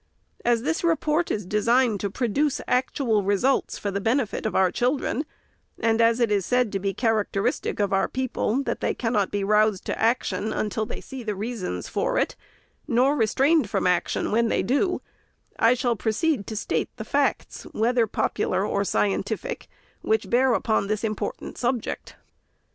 As this Report is designed to produce actual results for the benefit of our children ; and as it is said to be characteristic of our people, that they cannot be roused to action, until they see the reasons for it, nor restrained from action when they do, I shall proceed to state the facts, whether pop ular or scientific, which bear upon this important subject.